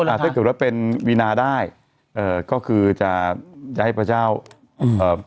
อ่าถ้าเกิดว่าเป็นวีนาได้เอ่อก็คือจะจะให้พระเจ้าเอ่อ